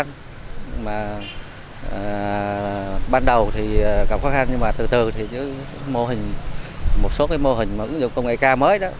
nhưng mà ban đầu thì gặp khó khăn nhưng mà từ từ thì mô hình một số cái mô hình công nghệ cao mới đó